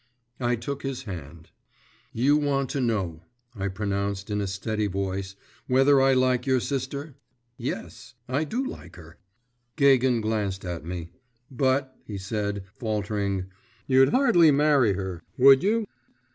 I took his hand. 'You want to know,' I pronounced in a steady voice, 'whether I like your sister? Yes, I do like her ' Gagin glanced at me. 'But,' he said, faltering, 'you'd hardly marry her, would you?